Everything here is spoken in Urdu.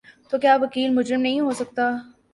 تو کیا وکیل مجرم نہیں ہو سکتا؟